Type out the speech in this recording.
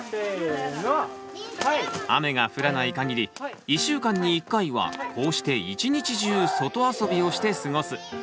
雨が降らないかぎり１週間に１回はこうして一日中外遊びをして過ごす。